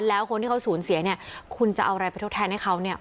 แล้วคนที่เขาสูญเสียเนี่ยคุณจะเอาอะไรไปทดแทนให้เขาเนี่ย